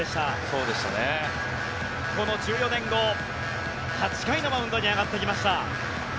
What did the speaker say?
その１４年後８回のマウンドに上がってきました。